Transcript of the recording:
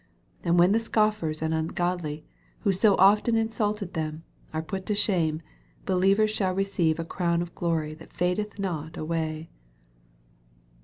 And when the scoffers and ungodly, who so of ten insulted them, are put to shame, believers shall re ceive a crown of glory that fadeth not away.